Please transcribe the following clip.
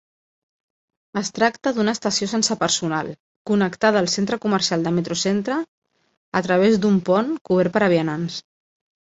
Es tracta d'una estació sense personal, connectada al centre comercial de MetroCentre a través d'un pont cobert per a vianants.